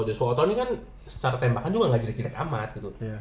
joshua otto ini kan secara tembakan juga gak jadi kirek amat gitu